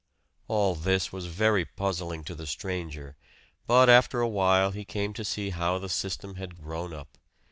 All this was very puzzling to the stranger; but after a while he came to see how the system had grown up.